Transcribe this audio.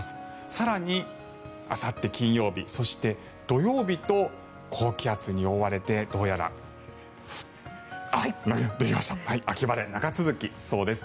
更に、あさって金曜日そして、土曜日と高気圧に覆われて、どうやら秋晴れ、長続きしそうです。